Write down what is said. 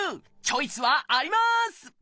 チョイスはあります！